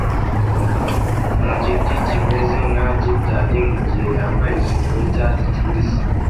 mu giti kimeze nka gitari mugihe yambaye ijipo yicyatsi kibisi